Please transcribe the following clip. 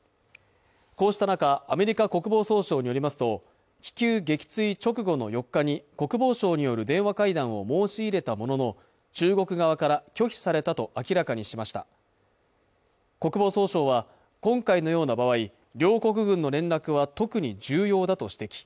こうした中アメリカ国防総省によりますと気球撃墜直後の４日に国防相による電話会談を申し入れたものの中国側から拒否されたと明らかにしました国防総省は今回のような場合両国軍の連絡は特に重要だと指摘